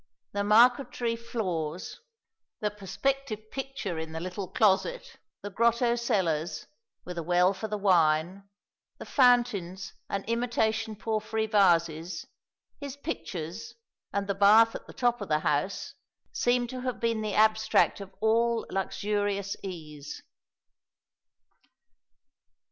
The marqueterie floors, "the perspective picture in the little closet," the grotto cellars, with a well for the wine, the fountains and imitation porphyry vases, his pictures and the bath at the top of the house, seem to have been the abstract of all luxurious ease.